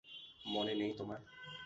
মনে নেই তোমার?